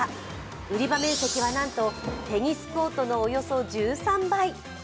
売り場面積はなんとテニスコートのおよそ１３倍。